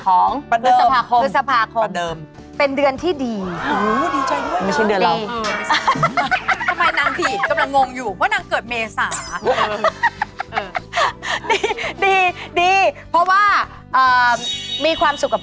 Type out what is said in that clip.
ก็ขอเอามาอัปเดตดวงประจำสัปดาห์กันก่อนเลย